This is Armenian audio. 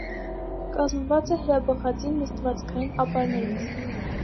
Կազմված է հրաբխածին նստվածքային ապարներից։